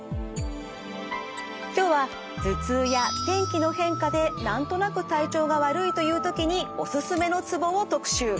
今日は頭痛や天気の変化で何となく体調が悪いという時にオススメのツボを特集。